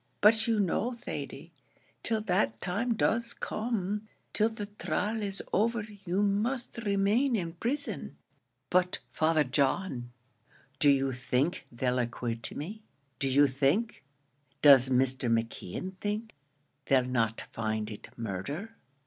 But you know, Thady, till that time does come till the trial is over, you must remain in prison." "But, Father John, do you think they'll acquit me? do you think does Mr. McKeon think, they'll not find it murder?"